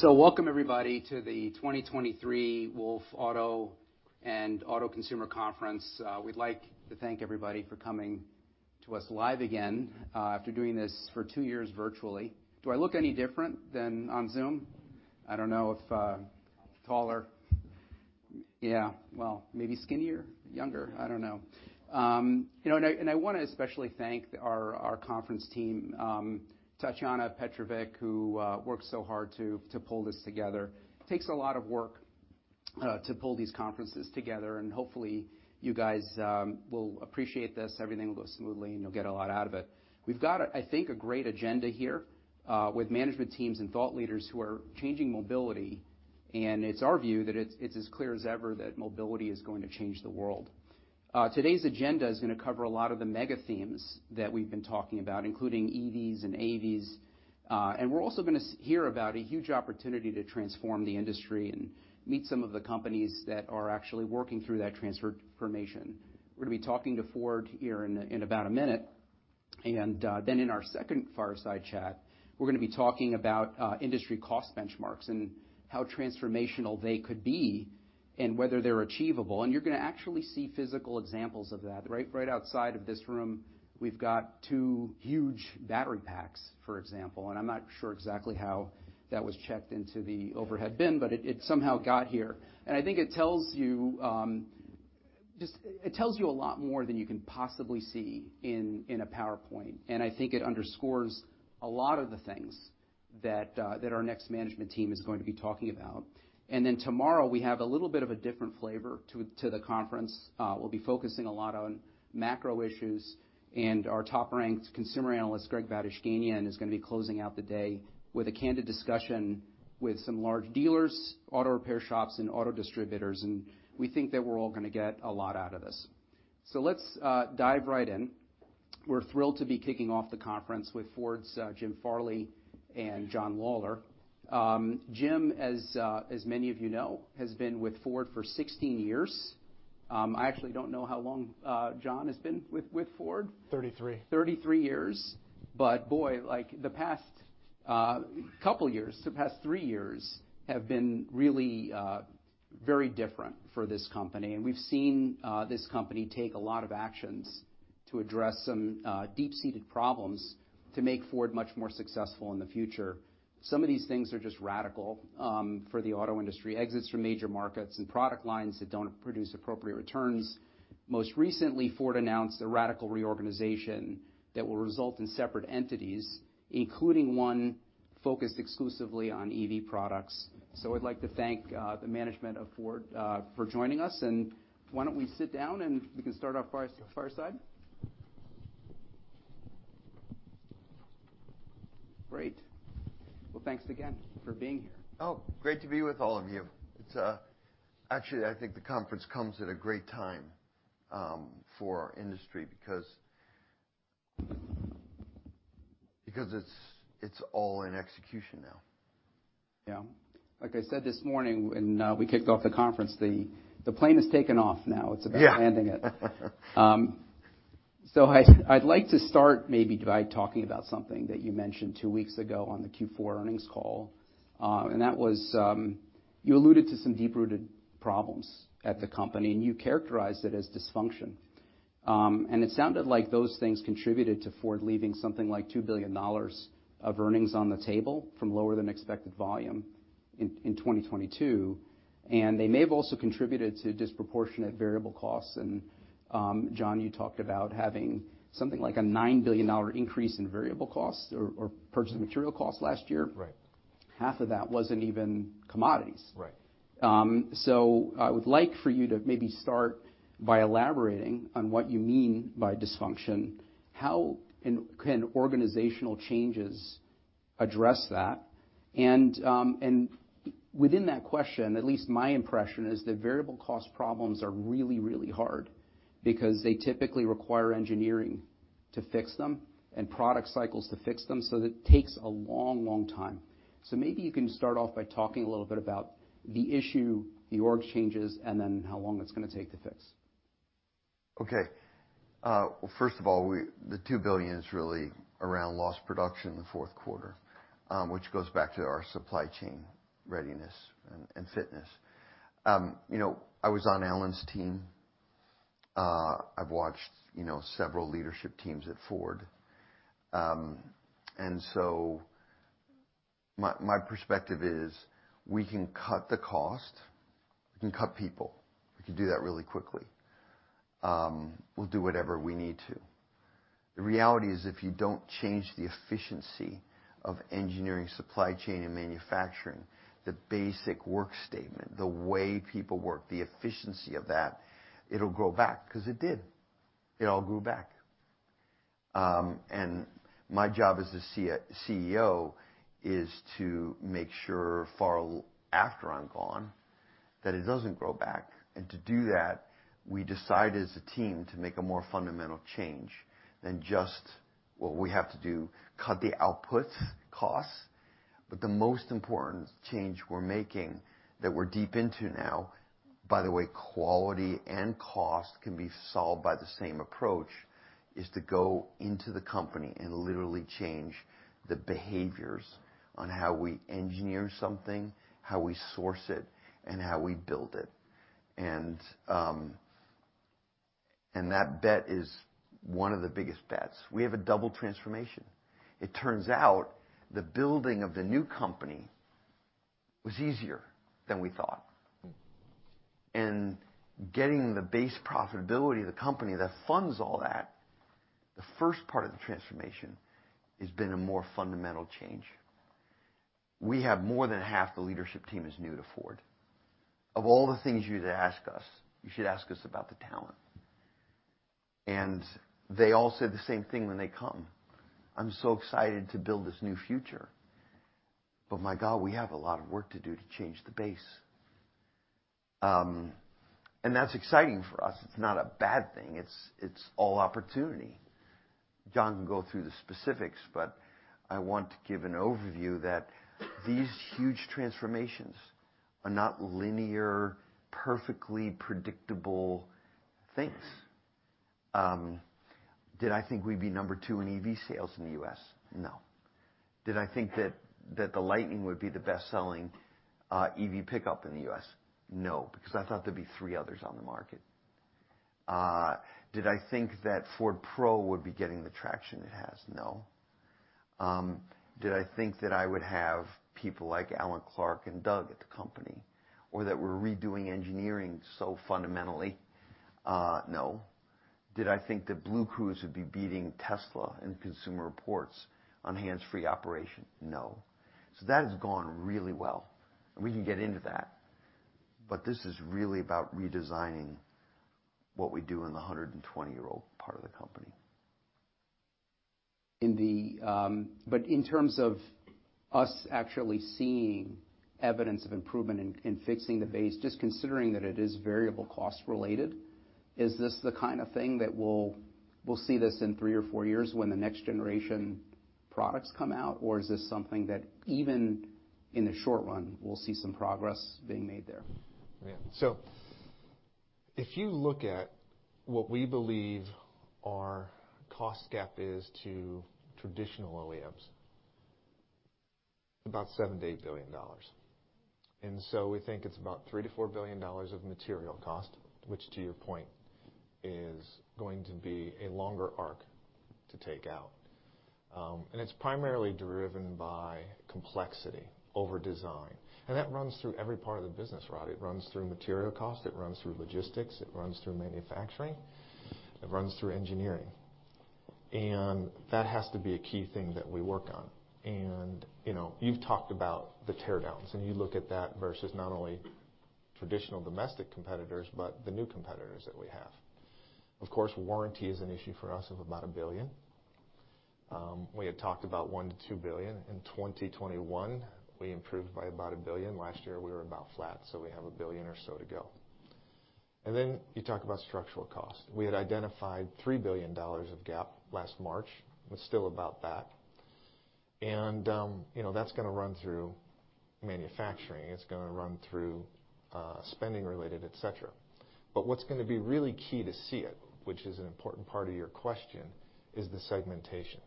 Welcome everybody to the 2023 Wolfe Auto and Auto Consumer Conference. We'd like to thank everybody for coming to us live again, after doing this for years virtually. Do I look any different than on Zoom? I don't know if taller. Yeah, well, maybe skinnier, younger. I don't know. You know, I wanna especially thank our conference team, Tatjana Petrovic, who worked so hard to pull this together. Takes a lot of work to pull these conferences together, and hopefully, you guys will appreciate this, everything will go smoothly, and you'll get a lot out of it. We've got, I think, a great agenda here with management teams and thought leaders who are changing mobility, and it's our view that it's as clear as ever that mobility is going to change the world. Today's agenda is gonna cover a lot of the mega themes that we've been talking about, including EVs and AVs, and we're also gonna hear about a huge opportunity to transform the industry and meet some of the companies that are actually working through that transformation. We're gonna be talking to Ford here in about a minute. Then in our second Fireside Chat, we're gonna be talking about industry cost benchmarks and how transformational they could be and whether they're achievable. You're gonna actually see physical examples of that. Right outside of this room, we've got two huge battery packs, for example. I'm not sure exactly how that was checked into the overhead bin, but it somehow got here. I think it tells you, just It tells you a lot more than you can possibly see in a PowerPoint, and I think it underscores a lot of the things that our next management team is going to be talking about. Tomorrow, we have a little bit of a different flavor to the conference. We'll be focusing a lot on macro issues, and our top-ranked consumer analyst, Greg Badishkanian, is gonna be closing out the day with a candid discussion with some large dealers, auto repair shops, and auto distributors. We think that we're all gonna get a lot out of this. Let's dive right in. We're thrilled to be kicking off the conference with Ford's, Jim Farley and John Lawler. Jim, as many of you know, has been with Ford for 16 years. I actually don't know how long, John has been with Ford. 33. 33 years. Boy, like, the past couple years, the past three years have been really very different for this company. We've seen this company take a lot of actions to address some deep-seated problems to make Ford much more successful in the future. Some of these things are just radical for the auto industry. Exits from major markets and product lines that don't produce appropriate returns. Most recently, Ford announced a radical reorganization that will result in separate entities, including one focused exclusively on EV products. I'd like to thank the management of Ford for joining us. Why don't we sit down, and we can start our Fireside? Great. Well, thanks again for being here. Oh, great to be with all of you. It's actually I think the conference comes at a great time for our industry because it's all in execution now. Yeah. Like I said this morning when we kicked off the conference, the plane has taken off now. Yeah. It's about landing it. I'd like to start maybe by talking about something that you mentioned two weeks ago on the Q4 earnings call, you alluded to some deep-rooted problems at the company, and you characterized it as dysfunction. It sounded like those things contributed to Ford leaving something like $2 billion of earnings on the table from lower than expected volume in 2022. They may have also contributed to disproportionate variable costs and, John, you talked about having something like a $9 billion increase in variable costs or purchasing material costs last year. Right. Half of that wasn't even commodities. Right. I would like for you to maybe start by elaborating on what you mean by dysfunction. How can organizational changes address that? Within that question, at least my impression is that variable cost problems are really, really hard because they typically require engineering to fix them and product cycles to fix them, so it takes a long, long time. Maybe you can start off by talking a little bit about the issue, the org changes, and then how long it's gonna take to fix. Okay. Uh, well, first of all, we-- the two billion is really around lost production in the fourth quarter, um, which goes back to our supply chain readiness and, and fitness. Um, you know, I was on Alan's team. Uh, I've watched, you know, several leadership teams at Ford. Um, and so my, my perspective is we can cut the cost, we can cut people, we can do that really quickly. Um, we'll do whatever we need to. The reality is, if you don't change the efficiency of engineering, supply chain, and manufacturing, the basic work statement, the way people work, the efficiency of that, it'll grow back, 'cause it did. It all grew back. Um, and my job as the CE-CEO is to make sure far l-- after I'm gone, that it doesn't grow back. To do that, we decide as a team to make a more fundamental change than just what we have to do, cut the output costs. The most important change we're making, that we're deep into now. By the way, quality and cost can be solved by the same approach, is to go into the company and literally change the behaviors on how we engineer something, how we source it, and how we build it. That bet is one of the biggest bets. We have a double transformation. It turns out the building of the new company was easier than we thought. Mm-hmm. Getting the base profitability of the company that funds all that, the first part of the transformation, has been a more fundamental change. We have more than half the leadership team is new to Ford. Of all the things you'd ask us, you should ask us about the talent. They all say the same thing when they come: "I'm so excited to build this new future, but my God, we have a lot of work to do to change the base." That's exciting for us. It's not a bad thing, it's all opportunity. John can go through the specifics, but I want to give an overview that these huge transformations are not linear, perfectly predictable things. Did I think we'd be number two in EV sales in the US? No. Did I think that the Lightning would be the best-selling EV pickup in the U.S.? No, because I thought there'd be three others on the market. Did I think that Ford Pro would be getting the traction it has? No. Did I think that I would have people like Alan Clarke and Doug at the company, or that we're redoing engineering so fundamentally? No. Did I think that BlueCruise would be beating Tesla in Consumer Reports on hands-free operation? No. That has gone really well, and we can get into that, but this is really about redesigning what we do in the 120-year-old part of the company. In terms of us actually seeing evidence of improvement in fixing the base, just considering that it is variable cost related, is this the kind of thing that we'll see this in three or four years when the next generation products come out? Or is this something that even in the short run, we'll see some progress being made there? Yeah. If you look at what we believe our cost gap is to traditional OEMs, about $7 billion-$8 billion. We think it's about $3 billion-$4 billion of material cost, which to your point, is going to be a longer arc to take out. It's primarily driven by complexity over design. That runs through every part of the business, Rod. It runs through material cost, it runs through logistics, it runs through manufacturing, it runs through engineering. That has to be a key thing that we work on. You know, you've talked about the teardowns, and you look at that versus not only traditional domestic competitors, but the new competitors that we have. Of course, warranty is an issue for us of about $1 billion. We had talked about $1 billion-$2 billion. In 2021, we improved by about $1 billion. Last year, we were about flat, so we have $1 billion or so to go. You talk about structural cost. We had identified $3 billion of gap last March. We're still about that. You know, that's gonna run through manufacturing, it's gonna run through spending related, et cetera. What's gonna be really key to see it, which is an important part of your question, is the segmentation,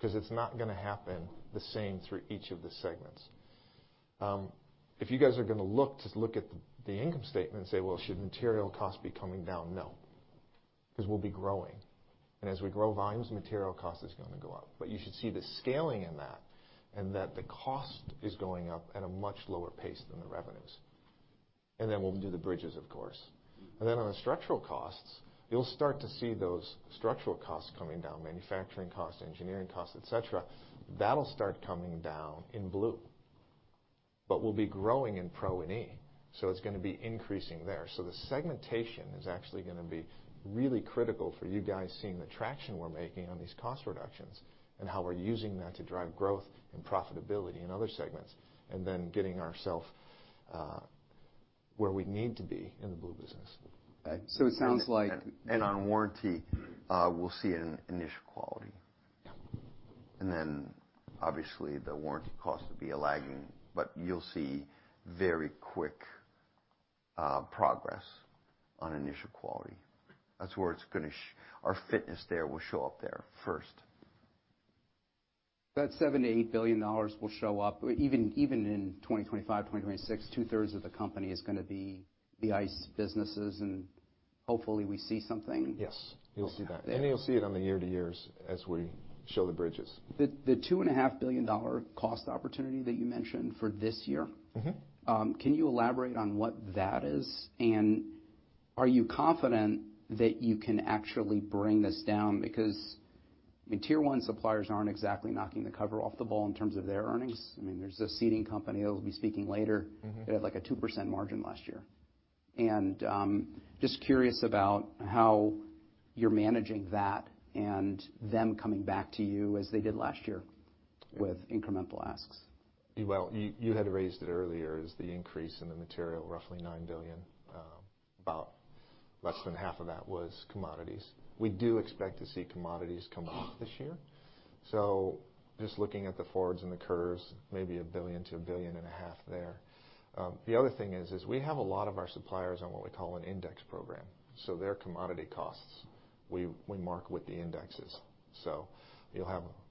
'cause it's not gonna happen the same through each of the segments. If you guys are gonna look, just look at the income statement and say, "Well, should material cost be coming down?" No, 'cause we'll be growing. As we grow volumes, material cost is gonna go up. You should see the scaling in that and that the cost is going up at a much lower pace than the revenues. Then we'll do the bridges, of course. Then on the structural costs, you'll start to see those structural costs coming down, manufacturing costs, engineering costs, et cetera, that'll start coming down in Blue. We'll be growing in Pro and E, so it's gonna be increasing there. The segmentation is actually gonna be really critical for you guys seeing the traction we're making on these cost reductions and how we're using that to drive growth and profitability in other segments, and then getting ourself where we need to be in the Blue business. it sounds like. On warranty, we'll see an initial quality. Yeah. Obviously, the warranty cost would be a lagging, but you'll see very quick progress on initial quality. That's where or fitness there will show up there first. That $7 billion-$8 billion will show up even in 2025, 2026, 2/3 of the company is gonna be the ICE businesses, and hopefully, we see something. Yes. You'll see that. You'll see it on the year-to-years as we show the bridges. The $2.5 billion cost opportunity that you mentioned for this year- Mm-hmm. Can you elaborate on what that is? Are you confident that you can actually bring this down? The Tier 1 suppliers aren't exactly knocking the cover off the ball in terms of their earnings. I mean, there's a seating company that'll be speaking later. Mm-hmm. They had like a 2% margin last year. Just curious about how you're managing that and them coming back to you as they did last year with incremental asks? Well, you had raised it earlier, is the increase in the material, roughly $9 billion about. Less than half of that was commodities. We do expect to see commodities come off this year, so just looking at the forwards and the curves, maybe $1 billion to $1 billion and a half there. The other thing is we have a lot of our suppliers on what we call an index program, so their commodity costs, we mark with the indexes.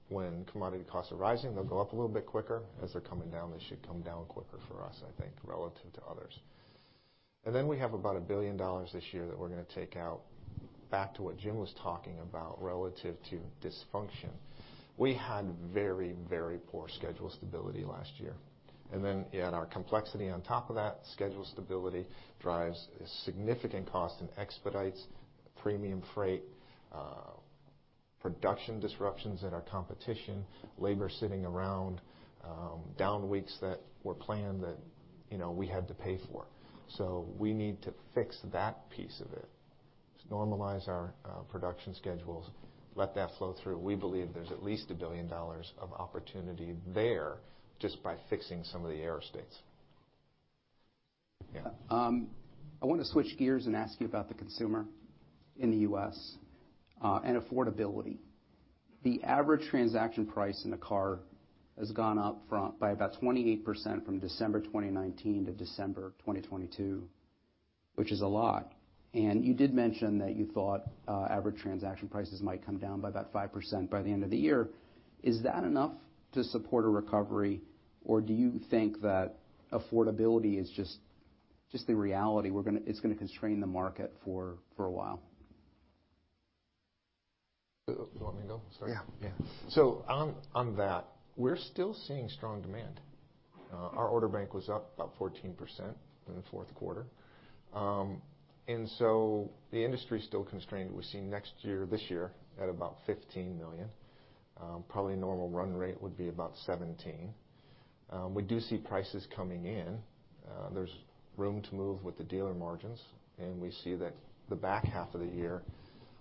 When commodity costs are rising, they'll go up a little bit quicker. As they're coming down, they should come down quicker for us, I think, relative to others. We have about $1 billion this year that we're gonna take out, back to what Jim was talking about relative to dysfunction. We had very poor schedule stability last year. You add our complexity on top of that, schedule stability drives a significant cost in expedites, premium freight, production disruptions in our competition, labor sitting around, down weeks that were planned that, you know, we had to pay for. We need to fix that piece of it to normalize our production schedules, let that flow through. We believe there's at least $1 billion of opportunity there just by fixing some of the error states. Yeah. I wanna switch gears and ask you about the consumer in the U.S., and affordability. The average transaction price in a car has gone up from, by about 28% from December 2019 to December 2022, which is a lot. You did mention that you thought average transaction prices might come down by about 5% by the end of the year. Is that enough to support a recovery, or do you think that affordability is just the reality it's gonna constrain the market for a while? You want me to go? Sorry. Yeah. Yeah. On, on that, we're still seeing strong demand. Our order bank was up about 14% in the fourth quarter. The industry's still constrained. We're seeing next year, this year at about 15 million. Probably normal run rate would be about 17 million. We do see prices coming in. There's room to move with the dealer margins. We see that the back half of the year,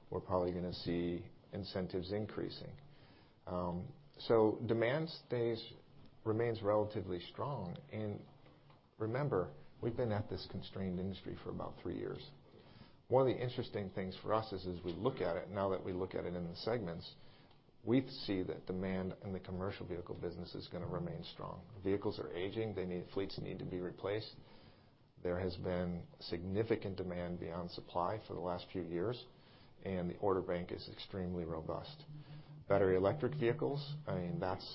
we're probably gonna see incentives increasing. Demand remains relatively strong. Remember, we've been at this constrained industry for about three years. One of the interesting things for us is we look at it, now that we look at it in the segments, we see that demand in the commercial vehicle business is gonna remain strong. Vehicles are aging. Fleets need to be replaced. There has been significant demand beyond supply for the last few years, and the order bank is extremely robust. Battery electric vehicles, I mean, that's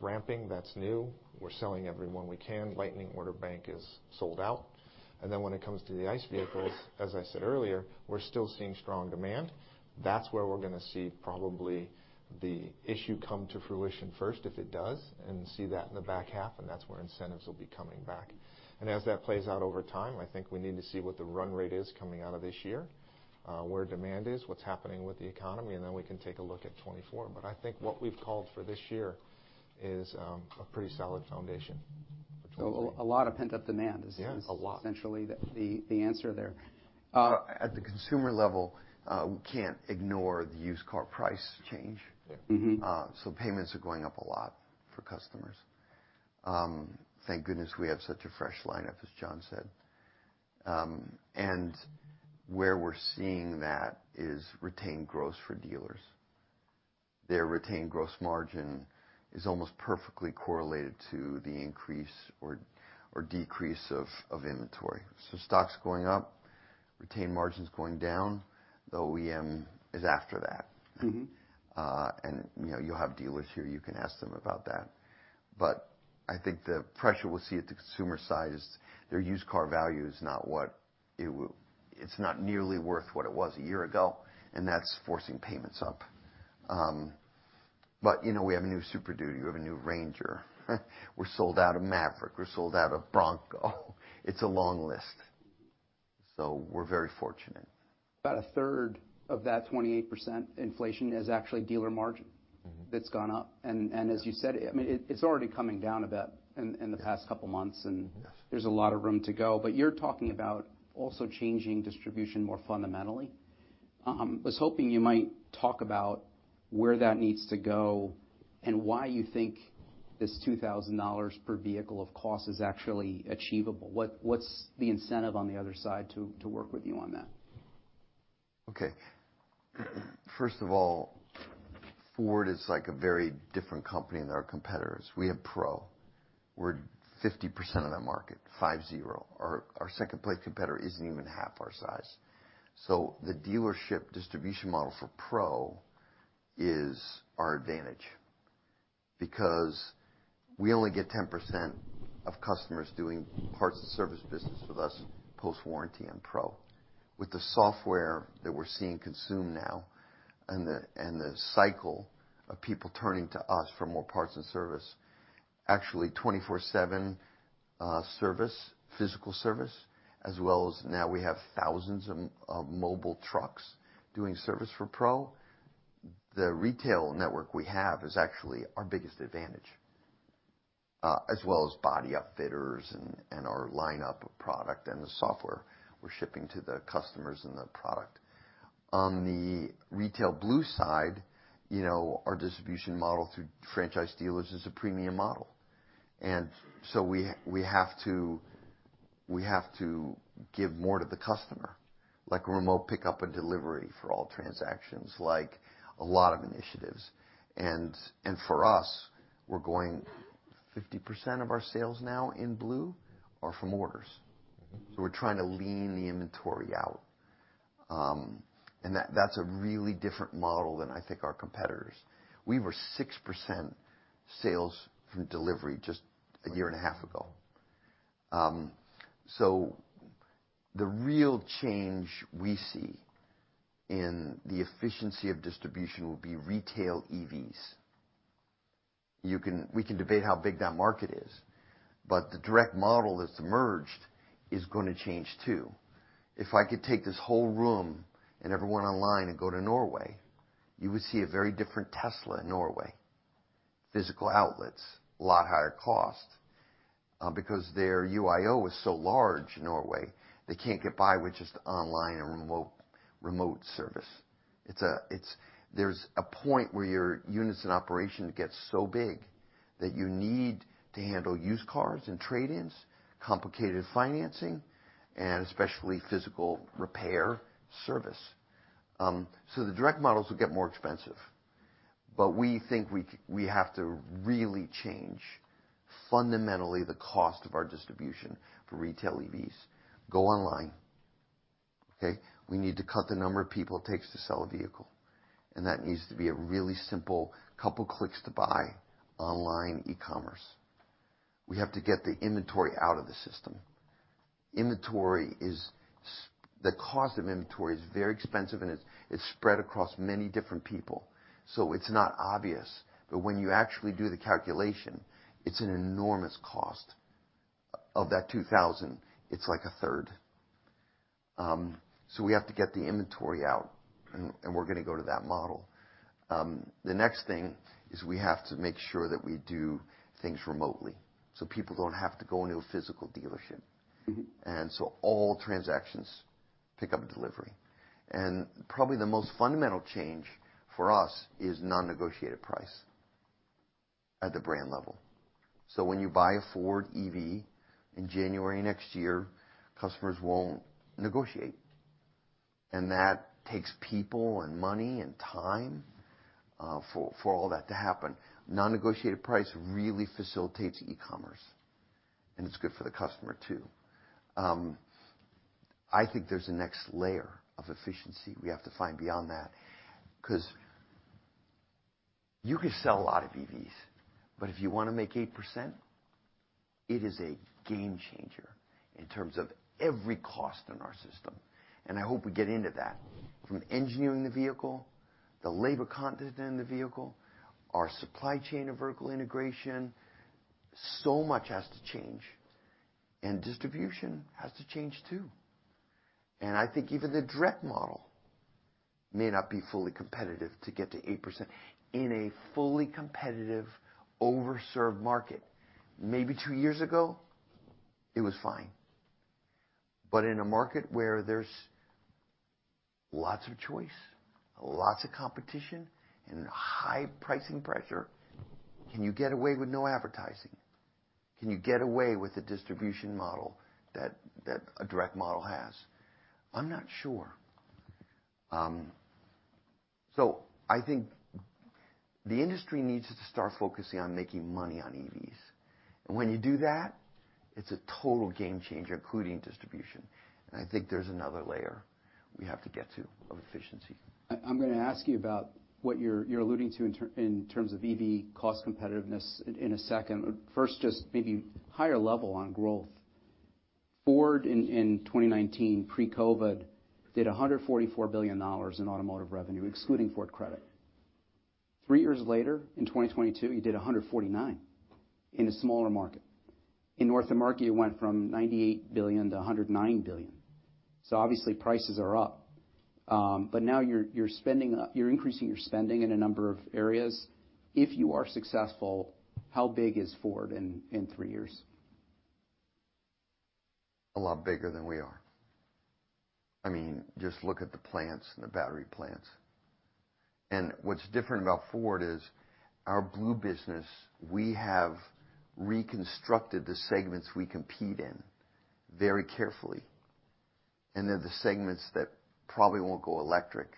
ramping. That's new. We're selling every one we can. Lightning order bank is sold out. When it comes to the ICE vehicles, as I said earlier, we're still seeing strong demand. That's where we're gonna see probably the issue come to fruition first, if it does, and see that in the back half, and that's where incentives will be coming back. As that plays out over time, I think we need to see what the run rate is coming out of this year, where demand is, what's happening with the economy, and then we can take a look at 2024. I think what we've called for this year is a pretty solid foundation for 2023. A lot of pent-up demand. Yeah, a lot. is essentially the answer there. At the consumer level, we can't ignore the used car price change. Mm-hmm. Payments are going up a lot for customers. Thank goodness we have such a fresh lineup, as John said. Where we're seeing that is retained gross for dealers. Their retained gross margin is almost perfectly correlated to the increase or decrease of inventory. Stocks going up, retained margins going down, the OEM is after that. Mm-hmm. You know, you have dealers here, you can ask them about that. I think the pressure we'll see at the consumer side is their used car value is not what it's not nearly worth what it was a year ago, and that's forcing payments up. You know, we have a new Super Duty. We have a new Ranger. We're sold out of Maverick. We're sold out of Bronco. It's a long list. We're very fortunate. About a third of that 28% inflation is actually dealer margin. Mm-hmm that's gone up. As you said, I mean, it's already coming down a bit in the past couple months. Yes ...there's a lot of room to go. You're talking about also changing distribution more fundamentally. was hoping you might talk about where that needs to go and why you think this $2,000 per vehicle of cost is actually achievable. What's the incentive on the other side to work with you on that? First of all, Ford is like a very different company than our competitors. We have Pro. We're 50% of that market, 5-0. Our second place competitor isn't even half our size. The dealership distribution model for Pro is our advantage because we only get 10% of customers doing parts and service business with us post-warranty on Pro. With the software that we're seeing consume now and the cycle of people turning to us for more parts and service, actually 24/7 service, physical service, as well as now we have thousands of mobile trucks doing service for Pro, the retail network we have is actually our biggest advantage, as well as body upfitters and our lineup of product and the software we're shipping to the customers and the product. On the retail Ford Blue side, you know, our distribution model through franchise dealers is a premium model. We have to give more to the customer, like remote pickup and delivery for all transactions, like a lot of initiatives. For us, we're going 50% of our sales now in Ford Blue are from orders. Mm-hmm. We're trying to lean the inventory out. That, that's a really different model than I think our competitors. We were 6% sales from delivery just a year and a half ago. The real change we see in the efficiency of distribution will be retail EVs. We can debate how big that market is, but the direct model that's emerged is gonna change too. If I could take this whole room and everyone online and go to Norway, you would see a very different Tesla in Norway. Physical outlets, a lot higher cost, because their UIO is so large in Norway, they can't get by with just online and remote service. There's a point where your units in operation get so big that you need to handle used cars and trade-ins, complicated financing, and especially physical repair service. The direct models will get more expensive. We think we have to really change fundamentally the cost of our distribution for retail EVs. Go online, okay? We need to cut the number of people it takes to sell a vehicle, and that needs to be a really simple couple clicks to buy online e-commerce. We have to get the inventory out of the system. Inventory is The cost of inventory is very expensive, and it's spread across many different people, so it's not obvious. When you actually do the calculation, it's an enormous cost. Of that $2,000, it's like a third. We have to get the inventory out and we're gonna go to that model. The next thing is we have to make sure that we do things remotely, so people don't have to go into a physical dealership. Mm-hmm. All transactions pick up delivery. Probably the most fundamental change for us is non-negotiated price at the brand level. When you buy a Ford EV in January next year, customers won't negotiate. That takes people and money and time for all that to happen. Non-negotiated price really facilitates e-commerce, and it's good for the customer too. I think there's a next layer of efficiency we have to find beyond that, 'cause you could sell a lot of EVs, but if you wanna make 8%, it is a game changer in terms of every cost in our system, and I hope we get into that. From engineering the vehicle, the labor content in the vehicle, our supply chain of vertical integration, so much has to change, and distribution has to change too. I think even the direct model may not be fully competitive to get to 8% in a fully competitive, overserved market. Maybe two years ago, it was fine. In a market where there's lots of choice, lots of competition, and high pricing pressure, can you get away with no advertising? Can you get away with the distribution model that a direct model has? I'm not sure. I think the industry needs to start focusing on making money on EVs. When you do that, it's a total game changer, including distribution. I think there's another layer we have to get to of efficiency. I'm gonna ask you about what you're alluding to in terms of EV cost competitiveness in a second. First, just maybe higher level on growth. Ford in 2019, pre-COVID, did $144 billion in automotive revenue, excluding Ford Credit. Three years later, in 2022, you did $149 billion in a smaller market. In North America, you went from $98 billion to $109 billion. Obviously prices are up. Now you're spending, you're increasing your spending in a number of areas. If you are successful, how big is Ford in three years? A lot bigger than we are. I mean, just look at the plants and the battery plants. What's different about Ford is our Blue business, we have reconstructed the segments we compete in very carefully. They're the segments that probably won't go electric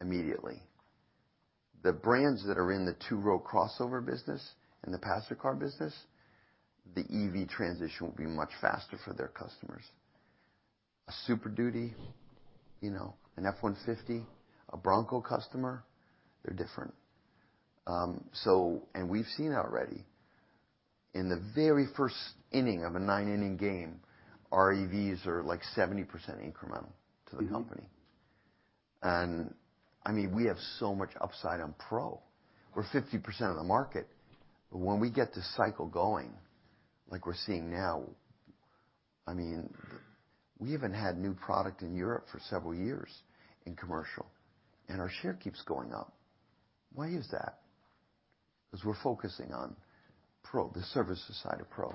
immediately. The brands that are in the two-row crossover business and the passenger car business, the EV transition will be much faster for their customers. A Super Duty, you know, an F-150, a Bronco customer, they're different. We've seen already in the very first inning of a nine-inning game, our EVs are like 70% incremental to the company. Mm-hmm. I mean, we have so much upside on Pro. We're 50% of the market. When we get this cycle going like we're seeing now, I mean, we haven't had new product in Europe for several years in commercial, and our share keeps going up. Why is that? Because we're focusing on Pro, the services side of Pro.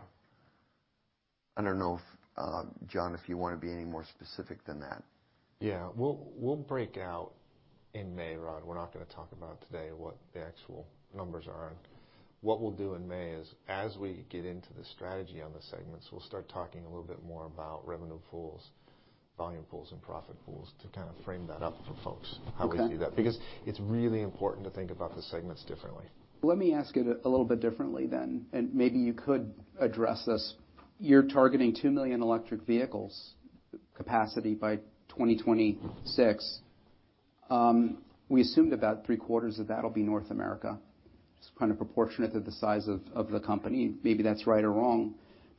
I don't know if, John, if you wanna be any more specific than that. Yeah. We'll break out in May, Rod. We're not gonna talk about today what the actual numbers are. What we'll do in May is, as we get into the strategy on the segments, we'll start talking a little bit more about revenue pools, volume pools, and profit pools to kind of frame that up for folks. Okay. -how we see that. It's really important to think about the segments differently. Let me ask it a little bit differently then. Maybe you could address this. You're targeting 2 million electric vehicles capacity by 2026. We assumed about 3/4 of that'll be North America. It's kind of proportionate to the size of the company. Maybe that's right or wrong.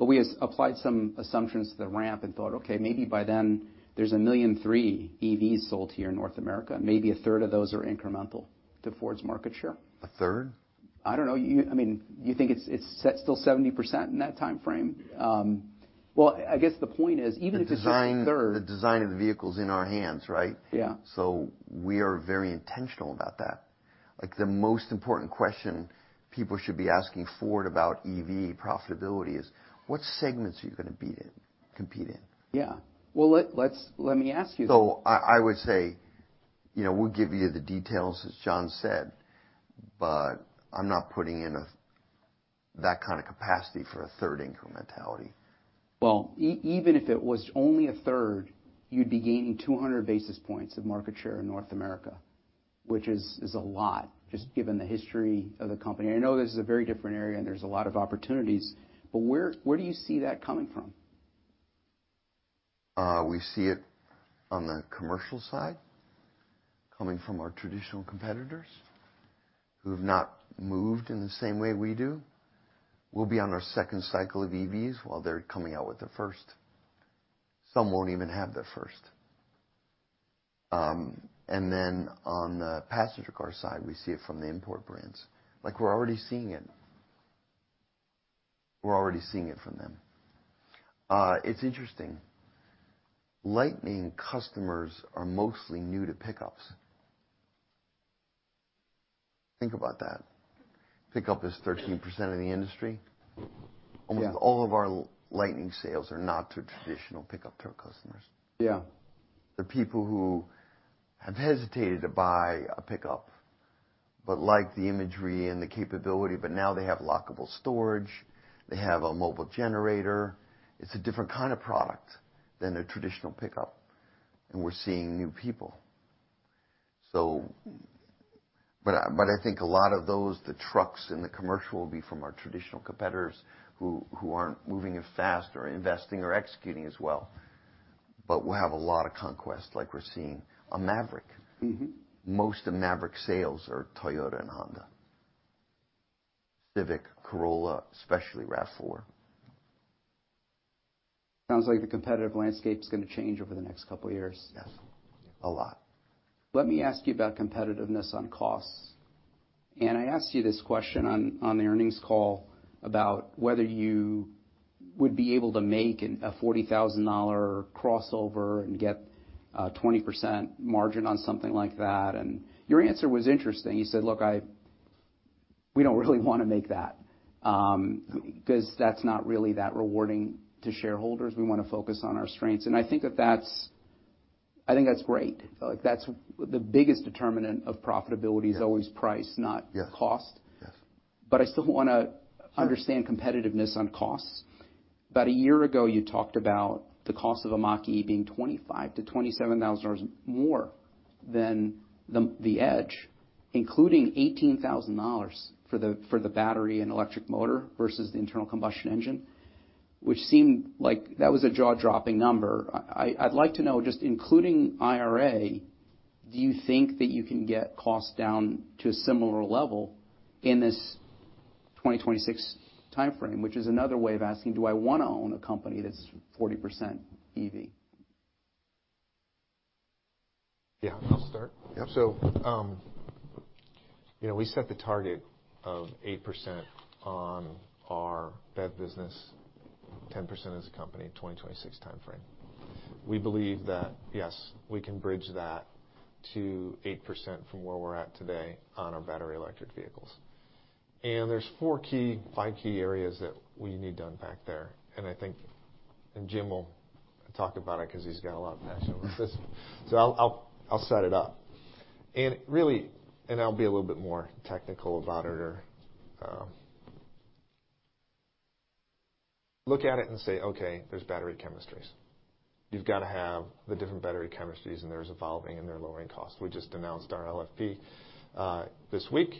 We applied some assumptions to the ramp and thought, okay, maybe by then, there's 1.3 million EVs sold here in North America. Maybe 1/3 of those are incremental to Ford's market share. A? I don't know. I mean, you think it's set still 70% in that timeframe? Well, I guess the point is, even if it's just a 1/3. The design of the vehicle's in our hands, right? Yeah. we are very intentional about that. Like, the most important question people should be asking Ford about EV profitability is, what segments are you gonna be compete in? Yeah. Well, let me ask you- I would say, you know, we'll give you the details, as John said, but I'm not putting in that kind of capacity for a third incrementality. Well, even if it was only a 1/3, you'd be gaining 200 basis points of market share in North America, which is a lot, just given the history of the company. I know this is a very different area, and there's a lot of opportunities, but where do you see that coming from? We see it on the commercial side, coming from our traditional competitors who have not moved in the same way we do. We'll be on our second cycle of EVs while they're coming out with their first. Some won't even have their first. And then on the passenger car side, we see it from the import brands. Like, we're already seeing it. We're already seeing it from them. It's interesting, Lightning customers are mostly new to pickups. Think about that. Pickup is 13% of the industry. Yeah. Almost all of our Lightning sales are not to traditional pickup truck customers. Yeah. They're people who have hesitated to buy a pickup, but like the imagery and the capability, but now they have lockable storage. They have a mobile generator. It's a different kind of product than a traditional pickup, and we're seeing new people. I think a lot of those, the trucks and the commercial, will be from our traditional competitors who aren't moving as fast or investing or executing as well. We'll have a lot of conquest like we're seeing on Maverick. Mm-hmm. Most of Maverick sales are Toyota and Honda, Civic, Corolla, especially RAV4. Sounds like the competitive landscape's gonna change over the next couple years. Yes. A lot. Let me ask you about competitiveness on costs. I asked you this question on the earnings call about whether you would be able to make a $40,000 crossover and get a 20% margin on something like that, and your answer was interesting. You said, "Look, we don't really wanna make that 'cause that's not really that rewarding to shareholders. We wanna focus on our strengths." I think that's great. Like, that's the biggest determinant of profitability- Yes. is always price, not- Yes. -cost. Yes. I still Sure. understand competitiveness on costs. About a year ago, you talked about the cost of a Mach-E being $25,000-$27,000 more than the Edge, including $18,000 for the battery and electric motor versus the internal combustion engine, which seemed like that was a jaw-dropping number. I'd like to know, just including IRA, do you think that you can get costs down to a similar level in this 2026 timeframe? Which is another way of asking, do I wanna own a company that's 40% EV? Yeah, I'll start. Yep. You know, we set the target of 8% on our BEV business, 10% as a company, 2026 timeframe. We believe that, yes, we can bridge that to 8% from where we're at today on our battery electric vehicles. There's five key areas that we need to unpack there, and Jim will talk about it 'cause he's got a lot of passion about this. I'll set it up. Really, I'll be a little bit more technical about it or look at it and say, okay, there's battery chemistries. You've gotta have the different battery chemistries, and they're evolving, and they're lowering costs. We just announced our LFP this week,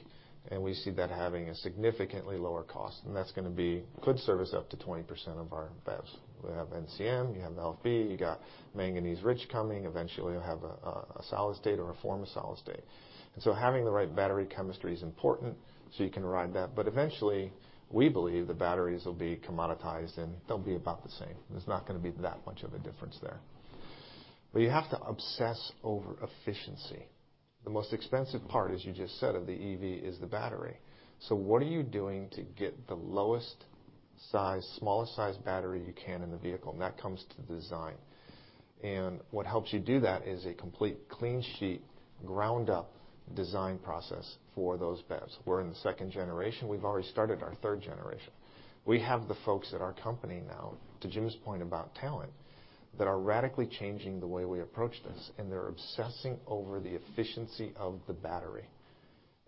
and we see that having a significantly lower cost, and that's gonna be could service up to 20% of our BEVs. We have NCM. You have LFP. You got manganese-rich coming. Eventually, you'll have a solid-state or a form of solid-state. Having the right battery chemistry is important, so you can ride that. Eventually, we believe the batteries will be commoditized, and they'll be about the same. There's not gonna be that much of a difference there. You have to obsess over efficiency. The most expensive part, as you just said, of the EV is the battery. What are you doing to get the lowest size, smallest size battery you can in the vehicle? That comes to design. What helps you do that is a complete clean sheet, ground up design process for those BEVs. We're in the second generation. We've already started our third generation. We have the folks at our company now, to Jim's point about talent, that are radically changing the way we approach this, and they're obsessing over the efficiency of the battery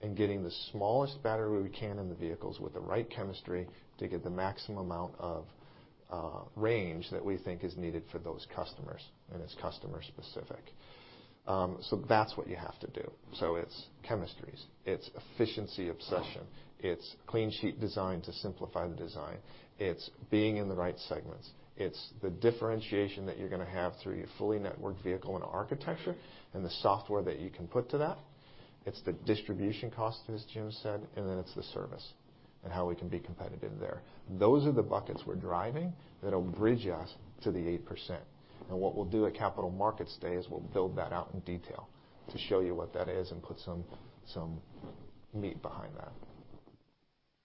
and getting the smallest battery we can in the vehicles with the right chemistry to get the maximum amount of range that we think is needed for those customers, and it's customer specific. That's what you have to do. It's chemistries, it's efficiency obsession, it's clean sheet design to simplify the design, it's being in the right segments, it's the differentiation that you're gonna have through your fully networked vehicle and architecture and the software that you can put to that. It's the distribution cost, as Jim said, then it's the service and how we can be competitive there. Those are the buckets we're driving that'll bridge us to the 8%. What we'll do at Capital Markets Day is we'll build that out in detail to show you what that is and put some meat behind that.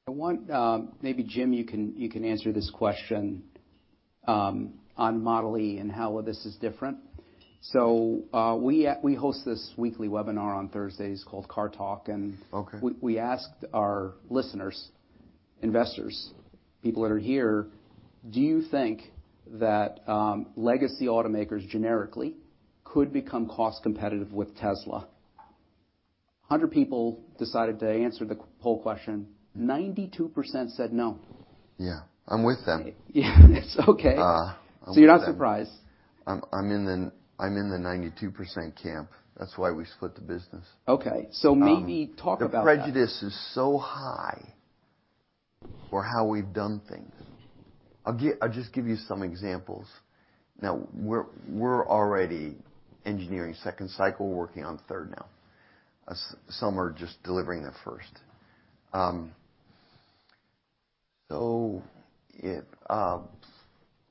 I want, maybe Jim, you can answer this question, on Model e and how this is different. We host this weekly webinar on Thursdays called Car Talk. Okay. We asked our listeners, investors, people that are here, do you think that legacy automakers generically could become cost competitive with Tesla? 100 people decided to answer the poll question. 92% said no. Yeah. I'm with them. Yeah. It's okay. I'm with them. You're not surprised. I'm in the 92% camp. That's why we split the business. Okay. Maybe talk about that. The prejudice is so high for how we've done things. I'll just give you some examples. We're already engineering second cycle. We're working on third now. Some are just delivering their first.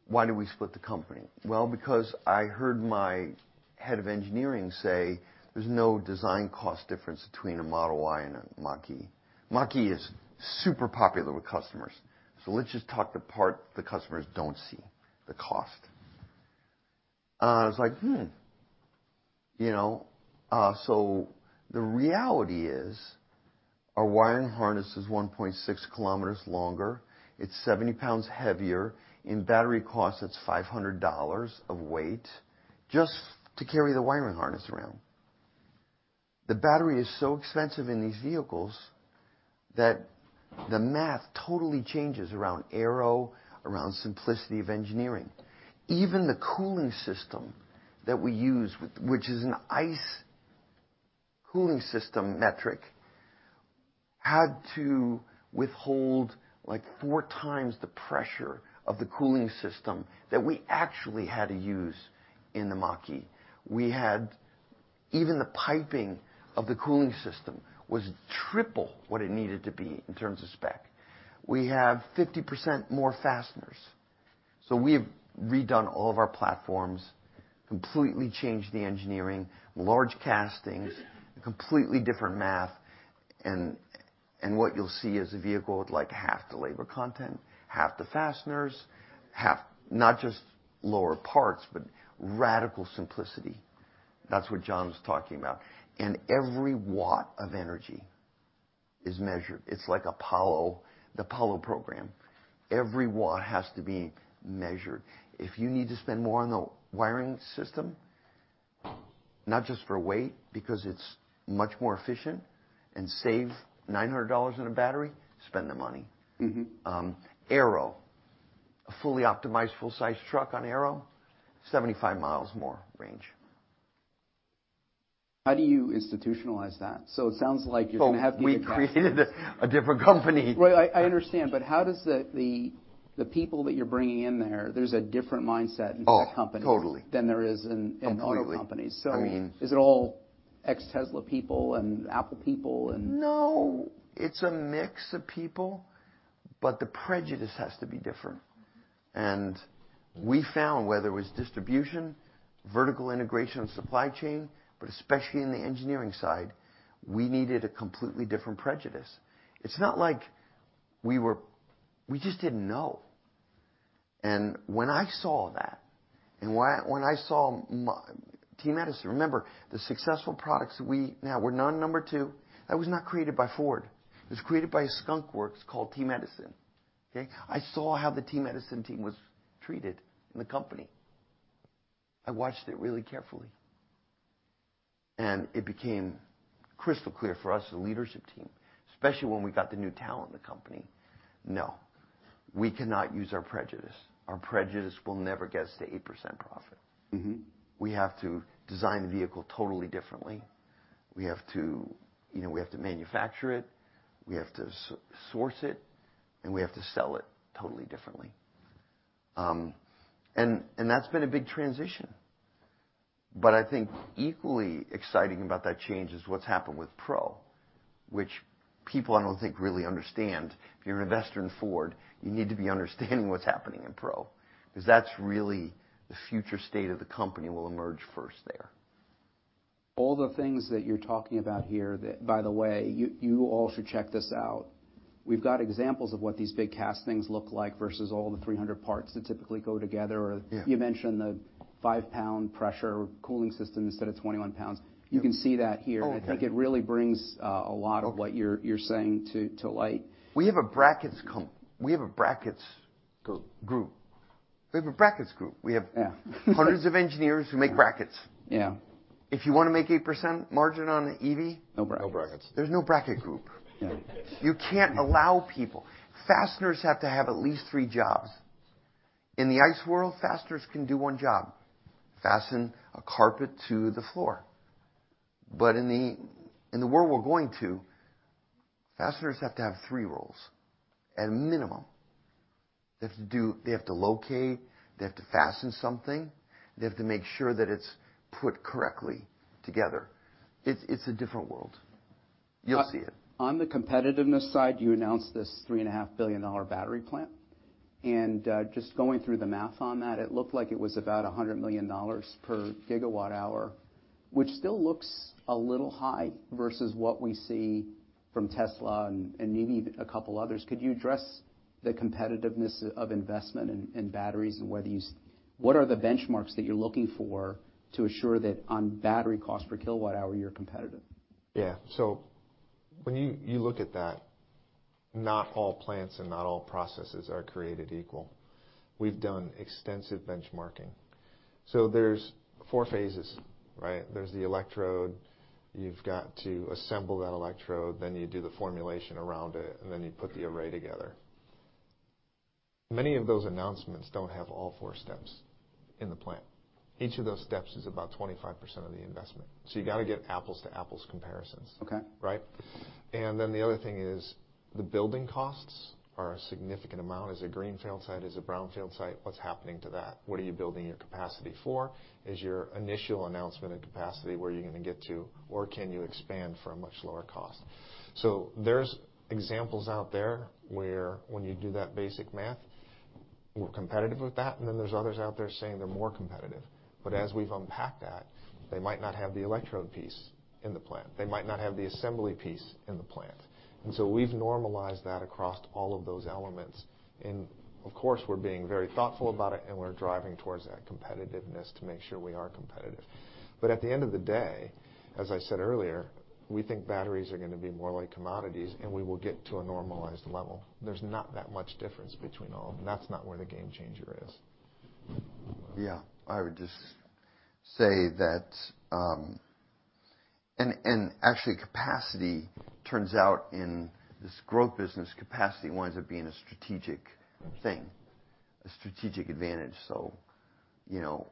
Why did we split the company? Because I heard my head of engineering say there's no design cost difference between a Model Y and a Mach-E. Mach-E is super popular with customers, let's just talk the part the customers don't see, the cost. I was like, "Hmm." You know? The reality is our wiring harness is 1.6 km longer. It's 70 lbs heavier. In battery costs, it's $500 of weight just to carry the wiring harness around. The battery is so expensive in these vehicles that the math totally changes around aero, around simplicity of engineering. Even the cooling system that we use which is an ICE cooling system metric, had to withhold like four times the pressure of the cooling system that we actually had to use in the Mach-E. Even the piping of the cooling system was triple what it needed to be in terms of spec. We have 50% more fasteners. We have redone all of our platforms, completely changed the engineering, large castings, completely different math. What you'll see is a vehicle with like half the labor content, half the fasteners, half. Not just lower parts, but radical simplicity. That's what John was talking about. Every watt of energy is measured. It's like Apollo, the Apollo program. Every watt has to be measured. If you need to spend more on the wiring system, not just for weight, because it's much more efficient and save $900 on a battery, spend the money. Mm-hmm. Aero. A fully optimized full size truck on aero, 75 miles more range. How do you institutionalize that? It sounds like you're gonna have to. We created a different company. Right. I understand. How does the people that you're bringing in there's a different mindset in that company? Oh, totally. than there is in auto companies. Completely. Is it all ex-Tesla people and Apple people and... No, it's a mix of people, but the prejudice has to be different. We found, whether it was distribution, vertical integration of supply chain, but especially in the engineering side, we needed a completely different prejudice. It's not like we just didn't know. When I saw that, when I saw Team Edison, remember the successful products that we now. We're now number two. That was not created by Ford. It was created by a skunk works called Team Edison, okay? I saw how the Team Edison team was treated in the company. I watched it really carefully, and it became crystal clear for us as a leadership team, especially when we got the new talent in the company. No, we cannot use our prejudice. Our prejudice will never get us to 8% profit. Mm-hmm. We have to design the vehicle totally differently. We have to, you know, we have to manufacture it, we have to source it, we have to sell it totally differently. That's been a big transition. I think equally exciting about that change is what's happened with Pro, which people I don't think really understand. If you're an investor in Ford, you need to be understanding what's happening in Pro, 'cause that's really the future state of the company will emerge first there. All the things that you're talking about here that, by the way, you all should check this out. We've got examples of what these big castings look like versus all the 300 parts that typically go together. Yeah. You mentioned the 5-pound pressure cooling system instead of 21 pounds. Yeah. You can see that here. Okay. I think it really brings. Okay... what you're saying to light. We have a brackets. Group group. We have a brackets group. Yeah. hundreds of engineers who make brackets. Yeah. If you wanna make 8% margin on an EV- No brackets. No brackets. There's no bracket group. Yeah. You can't allow people. Fasteners have to have at least three jobs. In the ICE world, fasteners can do one job: fasten a carpet to the floor. In the world we're going to, fasteners have to have three roles at a minimum. They have to locate, they have to fasten something, they have to make sure that it's put correctly together. It's a different world. You'll see it. On the competitiveness side, you announced this $3.5 billion battery plant. Just going through the math on that, it looked like it was about $100 million per gigawatt hour, which still looks a little high versus what we see from Tesla and maybe a couple others. Could you address the competitiveness of investment in batteries and whether you what are the benchmarks that you're looking for to assure that on battery cost per kilowatt hour, you're competitive? Yeah. When you look at that, not all plants and not all processes are created equal. We've done extensive benchmarking. There's four phases, right? There's the electrode. You've got to assemble that electrode, then you do the formulation around it, and then you put the array together. Many of those announcements don't have all four steps in the plant. Each of those steps is about 25% of the investment. You gotta get apples to apples comparisons. Okay. Right? The other thing is the building costs are a significant amount. Is it a greenfield site? Is it a brownfield site? What's happening to that? What are you building your capacity for? Is your initial announcement and capacity where you're gonna get to, or can you expand for a much lower cost? There's examples out there where when you do that basic math, we're competitive with that, and then there's others out there saying they're more competitive. As we've unpacked that, they might not have the electrode piece in the plant. They might not have the assembly piece in the plant. We've normalized that across all of those elements. Of course, we're being very thoughtful about it, and we're driving towards that competitiveness to make sure we are competitive. At the end of the day, as I said earlier, we think batteries are gonna be more like commodities, and we will get to a normalized level. There's not that much difference between all of them. That's not where the game changer is. Yeah. I would just say that actually capacity turns out in this growth business, capacity winds up being a strategic thing, a strategic advantage. You know,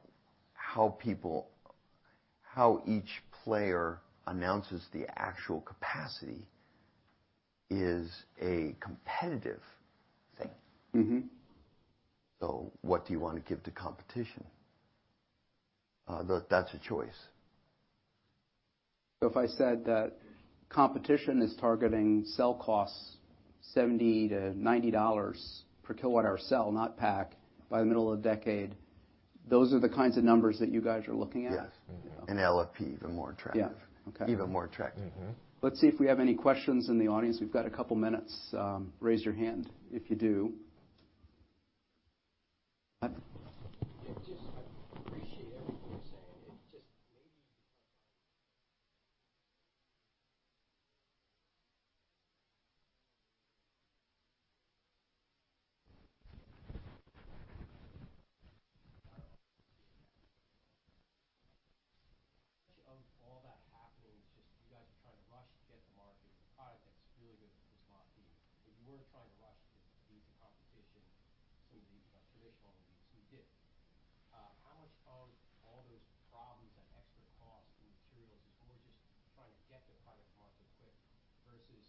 how each player announces the actual capacity is a competitive thing. Mm-hmm. What do you wanna give to competition? That's a choice. If I said that competition is targeting cell costs $70-$90 per kilowatt-hour cell, not pack, by the middle of the decade, those are the kinds of numbers that you guys are looking at? Yes. Mm-hmm. LFP, even more attractive. Yeah. Okay. Even more attractive. Mm-hmm. Let's see if we have any questions in the audience. We've got a couple minutes. Raise your hand if you do. I appreciate everything you're saying. Maybe of all that happening, it's just you guys are trying to rush to get to market a product that's really good with Mach-E. If you weren't trying to rush to beat the competition, some of the traditional leads, we did. How much of all those problems and extra cost and materials is more just trying to get the product to market quick versus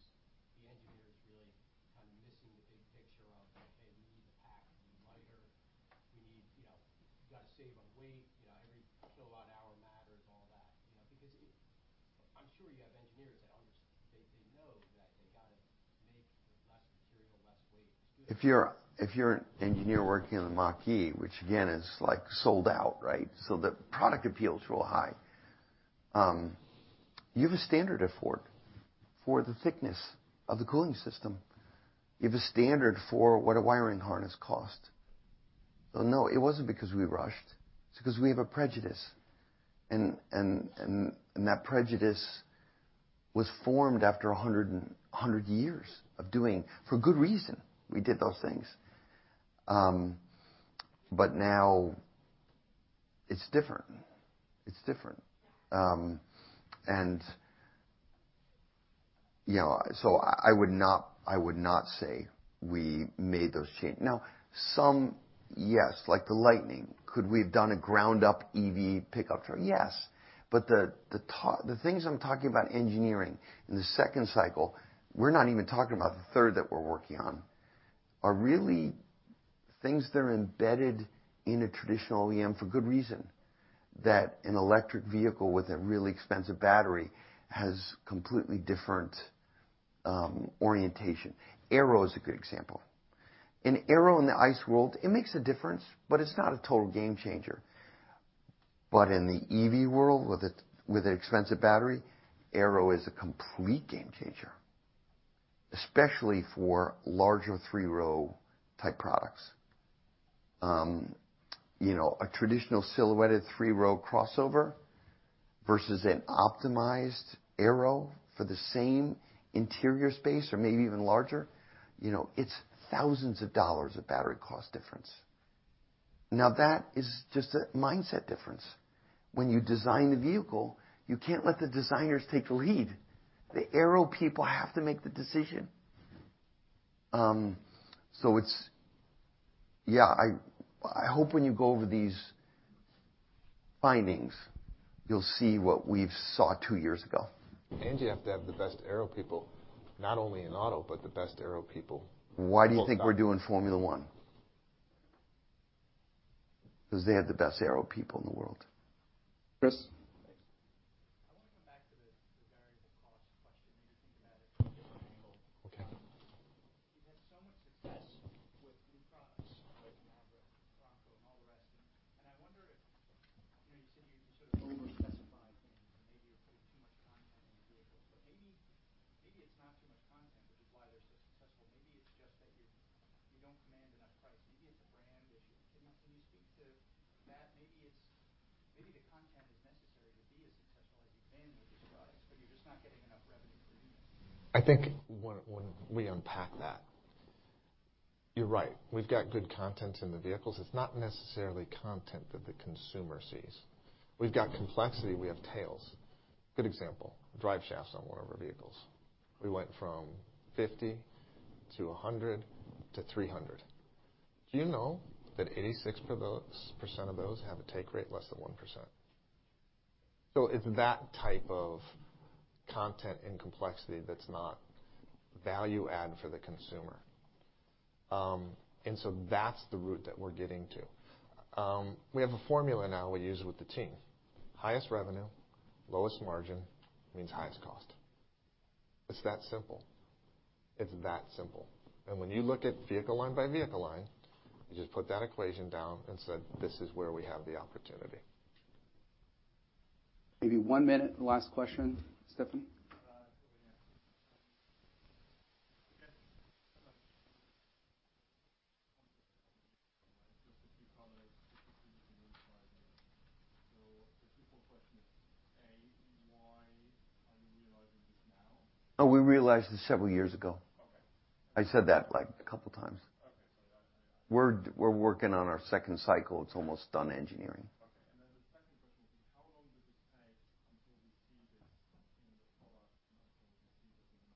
the engineers really kind of missing the big picture of, okay, we need the pack to be lighter. We need, you know, we gotta save on weight. You know, every kilowatt-hour matters, all that. You know, because I'm sure you have engineers that they know that they gotta make with less material, less weight. If you're an engineer working on the Mach-E, which again, is like sold out, right? The product appeal's real high. You have a standard at Ford for the thickness of the cooling system. You have a standard for what a wiring harness costs. No, it wasn't because we rushed. It's because we have a prejudice. That prejudice was formed after 100 years of doing... For good reason, we did those things. Now it's different. It's different. You know, I would not say we made those changes. Now, some, yes, like the Lightning. Could we have done a ground up EV pickup truck? Yes. The things I'm talking about engineering in the second cycle, we're not even talking about the third that we're working on, are really things that are embedded in a traditional OEM for good reason, that an electric vehicle with a really expensive battery has completely different orientation. Aero is a good example. In aero in the ICE world, it makes a difference, but it's not a total game changer. In the EV world with a, with an expensive battery, aero is a complete game changer, especially for larger three-row type products. You know, a traditional silhouetted three-row crossover versus an optimized aero for the same interior space or maybe even larger, you know, it's thousands of dollars of battery cost difference. That is just a mindset difference. When you design the vehicle, you can't let the designers take the lead. The aero people have to make the decision. Yeah, I hope when you go over these findings, you'll see what we've saw 2 years ago. You have to have the best aero people, not only in auto, but the best aero people. Why do you think we're doing Formula 1? 'Cause they have the best aero people in the world. Chris? content and complexity that's not value add for the consumer. That's the route that we're getting to. We have a formula now we use with the team. Highest revenue, lowest margin means highest cost. It's that simple. It's that simple. When you look at vehicle line by vehicle line, you just put that equation down and said, "This is where we have the opportunity. Maybe one minute. Last question. Stefan? The two-fold question is, A, why are you realizing this now? Oh, we realized this several years ago. Okay. I said that like a couple times. Okay. We're working on our second cycle. It's almost done engineering.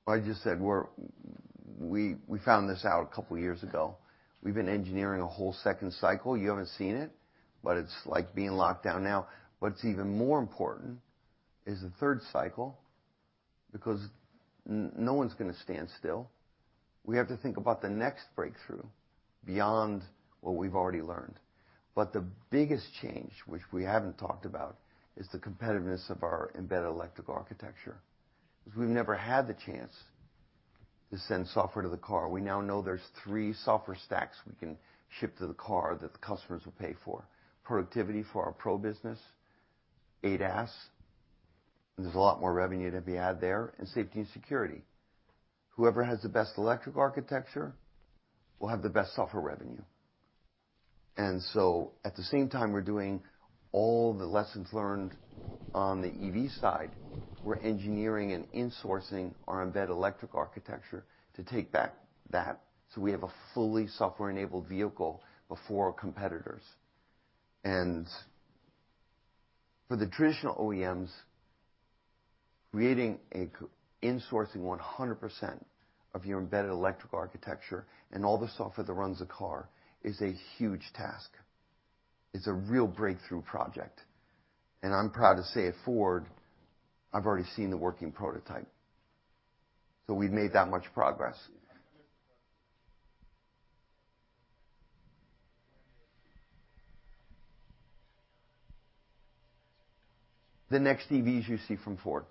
Okay. Then the second question is, how long does it take until we see this in the products? I just said We found this out a couple years ago. We've been engineering a whole second cycle. You haven't seen it, but it's like being locked down now. What's even more important is the third cycle, because no one's gonna stand still. We have to think about the next breakthrough beyond what we've already learned. The biggest change, which we haven't talked about, is the competitiveness of our embedded electrical architecture. 'Cause we've never had the chance to send software to the car. We now know there's three software stacks we can ship to the car that the customers will pay for. Productivity for our Pro business, ADAS, there's a lot more revenue to be had there, and safety and security. Whoever has the best electric architecture will have the best software revenue. At the same time we're doing all the lessons learned on the EV side, we're engineering and insourcing our embed electric architecture to take back that so we have a fully software-enabled vehicle before our competitors. For the traditional OEMs, creating insourcing 100% of your embedded electrical architecture and all the software that runs the car is a huge task. It's a real breakthrough project. I'm proud to say at Ford, I've already seen the working prototype. We've made that much progress. The next EVs you see from Ford.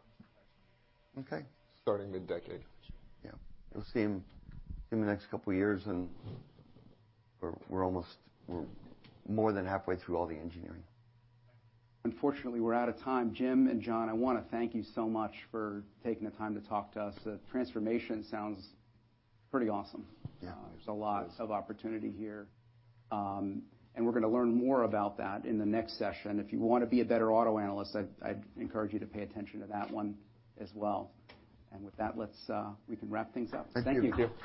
Okay. Starting mid-decade. Yeah. You'll see 'em in the next couple years and we're almost, we're more than halfway through all the engineering. Unfortunately, we're out of time. Jim and John, I wanna thank you so much for taking the time to talk to us. The transformation sounds pretty awesome. Yeah. There's a lot of opportunity here. We're gonna learn more about that in the next session. If you wanna be a better auto analyst, I'd encourage you to pay attention to that one as well. With that, let's we can wrap things up. Thank you. Thank you.